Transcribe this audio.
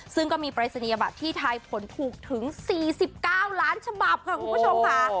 ซึ่งก็มีไปรสัญญาบัตรที่ทายผลถูกถึงสี่สิบเก้าล้านฉบับค่ะคุณผู้ชมคะ